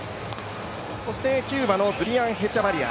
そしてキューバのズリアン・ヘチャバリア。